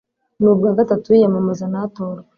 ni ubwa gatatu yiyamamaza ntatorwe